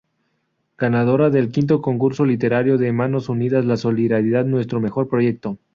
Ganadora del V Concurso Literario de Manos Unidas "La solidaridad, nuestro mejor proyecto".